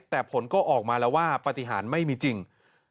แต่ผลก็ออกมาแล้วว่าปฏิหารไม่มีจริง